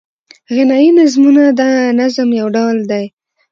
غنايي نظمونه د نظم یو ډول دﺉ.